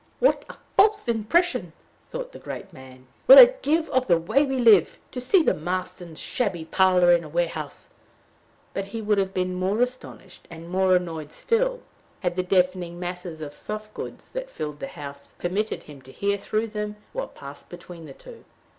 "What a false impression," thought the great man, "will it give of the way we live, to see the Marstons' shabby parlor in a warehouse!" But he would have been more astonished and more annoyed still, had the deafening masses of soft goods that filled the house permitted him to hear through them what passed between the two.